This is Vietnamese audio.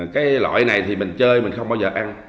cái loại này thì mình chơi mình không bao giờ ăn